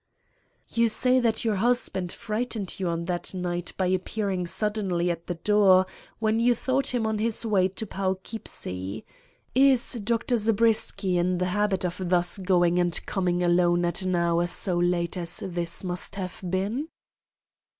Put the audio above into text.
"You say that your husband frightened you on that night by appearing suddenly at the door when you thought him on his way to Poughkeepsie. Is Dr. Zabriskie in the habit of thus going and coming alone at an hour so late as this must have been?"